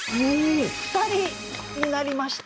２人になりました。